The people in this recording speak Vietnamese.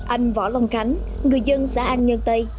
anh võ long khánh người dân xã an nhân tây